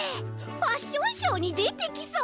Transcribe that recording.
ファッションショーにでてきそう！